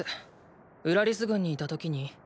ウラリス軍にいた時に？